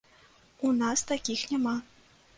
У нас такіх няма.